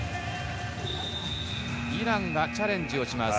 イランがチャレンジをします。